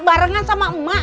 barengan sama emak